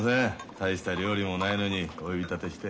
大した料理もないのにお呼び立てして。